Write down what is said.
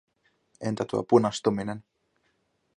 Entä tuo punastuminen?